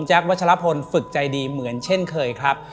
วัชลพลฝึกใจดีเหมือนเช่นเคยครับ